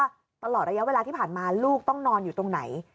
ตลอดระยะเวลาที่ผ่านมาลูกต้องนอนอยู่ตรงไหน